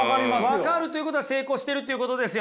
分かるということは成功してるっていうことですよね。